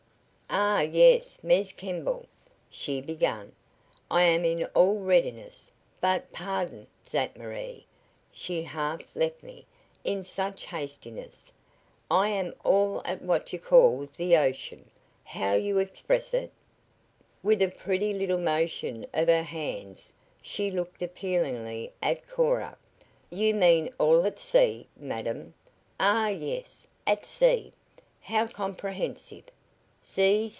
"Ah, yes, Mees Kimball," she began. "I am all in readiness but pardon zat Marie she haf left me in such hastiness I am all at what you call ze ocean how you express it?" With a pretty little motion of her hands she looked appealingly at Cora. "You mean all at sea, madam." "Ah, yes! At sea! How comprehensive!